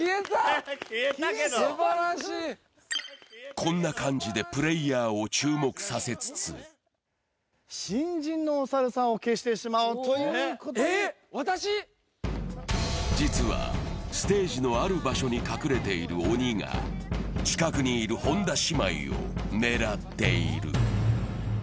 こんな感じでプレーヤーを注目させつつ実はステージのある場所に隠れている鬼が近くにいる本田姉妹を狙っている。